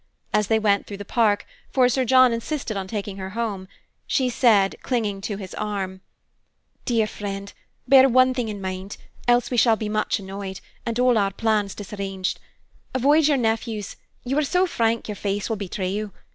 As they went through the park for Sir John insisted upon taking her home she said, clinging to his arm: "Dear friend, bear one thing in mind, else we shall be much annoyed, and all our plans disarranged. Avoid your nephews; you are so frank your face will betray you.